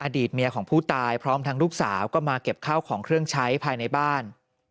อดีตเมียของผู้ตายพร้อมทั้งลูกสาวก็มาเก็บข้าวของเครื่องใช้ภายในบ้าน